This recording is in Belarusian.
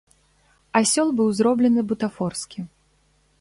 Асёл быў зроблены бутафорскі.